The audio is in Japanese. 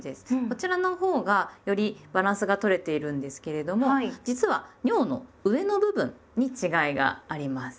こちらのほうがよりバランスがとれているんですけれども実は「にょう」の上の部分に違いがあります。